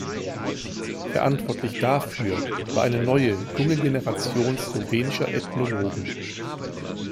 Verantwortlich dafür war eine neue, junge Generation slowenischer Ethnologen.